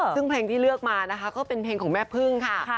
ซึ่งเพลงที่เลือกมานะคะก็เป็นเพลงของแม่พึ่งค่ะ